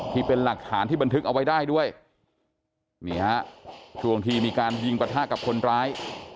ที่เป็นหลักฐานที่บันทึกเอาไว้ได้ด้วยนี่ฮะช่วงที่มีการยิงประทะกับคนร้าย